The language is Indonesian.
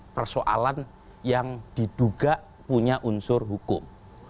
persoalan yang diduga punya unsur hukum